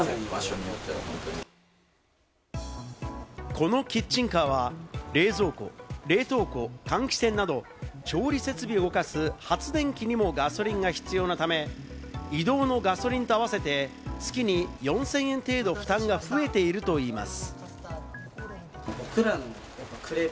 このキッチンカーは冷蔵庫、冷凍庫、換気扇など、調理設備を動かす発電機にもガソリンが必要なため、移動のガソリンと合わせて月に４０００円程度、負担が増えているといいます。